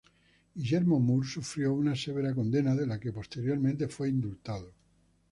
Guillermo Moore sufrió una severa condena, de la que posteriormente fue indultado.